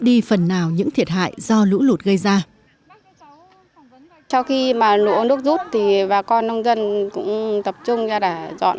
để phục vụ cho nhà nước phục vụ cho nhân dân